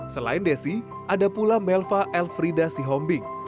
selain desi ada pula melva elfrida sihombing